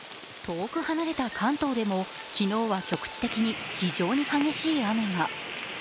遠く離れた関東でも昨日は局地的に非常に激しい雨が。